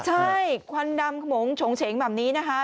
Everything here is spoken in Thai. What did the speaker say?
ใช่ควันดำขมงฉงเฉงแบบนี้นะคะ